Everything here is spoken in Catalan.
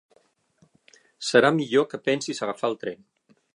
Serà millor que pensis a agafar el tren.